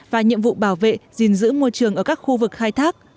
và nhiệm vụ bảo vệ giữ môi trường ở các khu vực khai thác